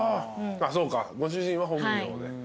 そうかご主人は本名で。